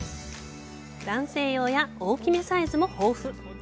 男性用や大きめサイズも豊富。